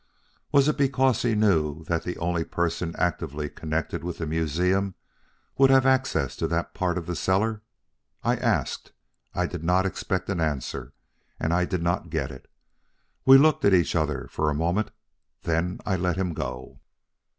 Was it because he knew that only a person actively connected with the museum would have access to that part of the cellar? I asked. I did not expect an answer, and I did not get it. We looked at each other for a moment, then I let him go."